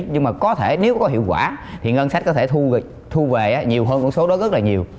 nhưng mà có thể nếu có hiệu quả thì ngân sách có thể thu về nhiều hơn con số đó rất là nhiều